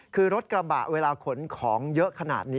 คือรถกระบะเวลาขนของเยอะขนาดนี้